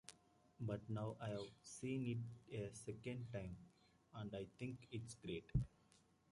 But now I've seen it a second time, and I think it's great.